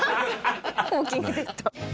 『ウォーキング・デッド』。